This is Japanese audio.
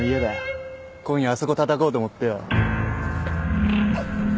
今夜あそこたたこうと思ってよ。